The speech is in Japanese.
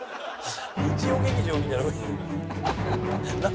日曜劇場みたいな。